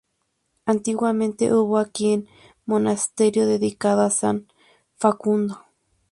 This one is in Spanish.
Antiguamente hubo aquí un monasterio dedicado a San Facundo.